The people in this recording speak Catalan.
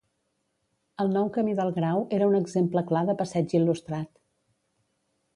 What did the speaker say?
El nou camí del Grau era un exemple clar de passeig il·lustrat.